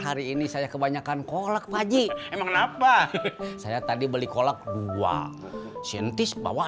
hari ini saya kebanyakan kolek paji emang kenapa saya tadi beli kolak dua sintis bawa